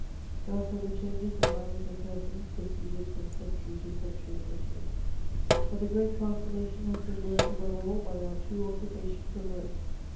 Thus have the changes in manners and persons proceeded from century to century in Italy; but the great transformation has been worked, above all, by our two occupations of Rome.